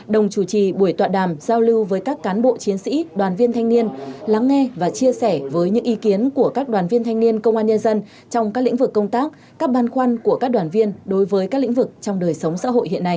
đồng chủ trì buổi tọa đàm giao lưu với các cán bộ chiến sĩ đoàn viên thanh niên lắng nghe và chia sẻ với những ý kiến của các đoàn viên thanh niên công an nhân dân trong các lĩnh vực công tác các ban khoăn của các đoàn viên đối với các lĩnh vực trong đời sống xã hội hiện nay